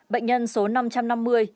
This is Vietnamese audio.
bệnh nhân số năm trăm năm mươi